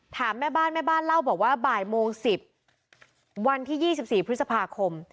แม่บ้านแม่บ้านเล่าบอกว่าบ่ายโมง๑๐วันที่๒๔พฤษภาคม